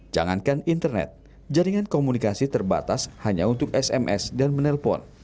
jangankan internet jaringan komunikasi terbatas hanya untuk sms dan menelpon